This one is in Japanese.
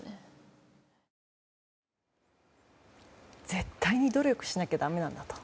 絶対に努力しなくちゃだめなんだと。